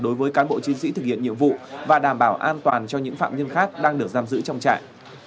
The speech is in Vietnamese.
đối với cán bộ chiến sĩ thực hiện nhiệm vụ và đảm bảo an toàn cho những phạm nhân khác đang được giam giữ trong trại